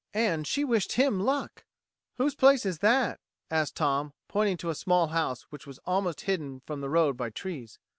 And she wished him luck! "Whose place is that?" asked Tom, pointing to a small house which was almost hidden from the road by trees.